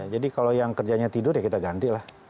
jadi kalau yang kerjanya tidur ya kita ganti lah